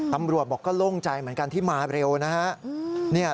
ตำรวจบอกก็โล่งใจเหมือนกันที่มาเร็วนะฮะ